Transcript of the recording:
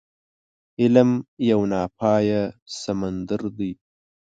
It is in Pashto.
علم يو ناپايه سمندر دی.